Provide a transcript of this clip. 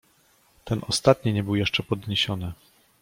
"Ten ostatni nie był jeszcze podniesiony."